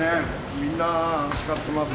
みんな扱ってますね。